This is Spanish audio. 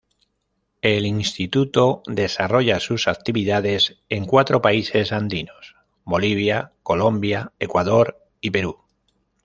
El instituto desarrolla sus actividades en cuatro países andinos: Bolivia, Colombia, Ecuador y Perú.